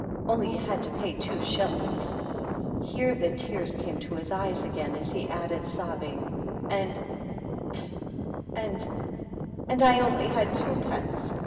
Only you had to pay two shil lings." Here the tears came to his eyes again, as he added, sobbing, "And — and — and I only had twopence.